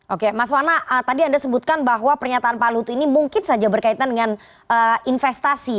oke mas wana tadi anda sebutkan bahwa pernyataan pak lut ini mungkin saja berkaitan dengan investasi